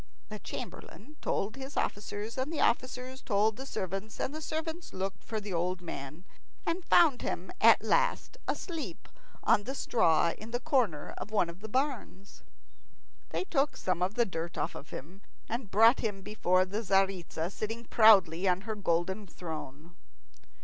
The chamberlain told his officers, and the officers told the servants, and the servants looked for the old man, and found him at last asleep on the straw in the corner of one of the barns. They took some of the dirt off him, and brought him before the Tzaritza, sitting proudly on her golden throne.